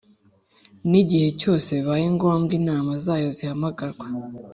n igihe cyose bibaye ngombwa Inama zayo zihamagarwa